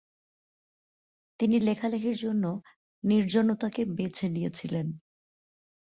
তিনি লেখালেখির জন্য নির্জনতাকে বেঁছে নিয়েছিলেন।